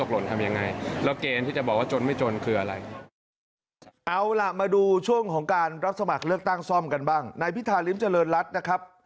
เลือกตั้งซ่อมกันบ้างนายพิธาลิ้มเจริญรัตน์นะครับ